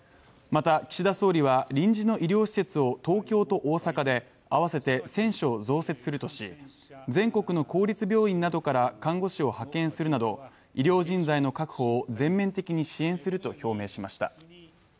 また、岸田総理は臨時の医療施設を東京と大阪で合わせて１０００床増設するとし、全国の公立病院などから看護師を派遣するなど、医療人材の確保を全面的に支援すると表明しました。